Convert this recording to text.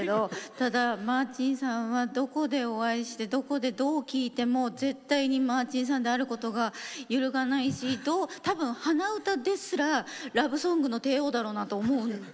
ただマーチンさんはどこでお会いしてどこでどう聴いても絶対にマーチンさんであることが揺るがないし多分鼻歌ですらラブソングの帝王だろうなと思うんですよ。